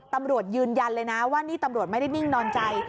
ตำรวจยืนยันเลยนะว่านี่ตำรวจไม่ได้นิ่งนอนใจ